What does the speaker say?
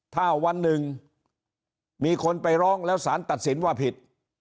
ถ้าวันหนึ่งมีคนไปร้องแล้วสารตัดสินว่าผิด